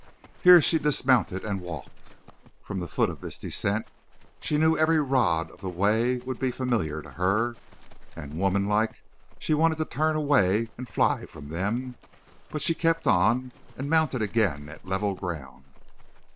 Here she dismounted and walked. From the foot of this descent she knew every rod of the way would be familiar to her, and, womanlike, she wanted to turn away and fly from them. But she kept on and mounted again at level ground.